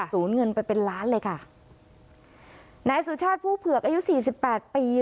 ศูนย์เงินไปเป็นล้านเลยค่ะนายสุชาติผู้เผือกอายุสี่สิบแปดปี